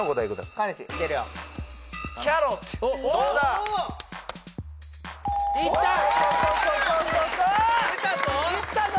いったぞ！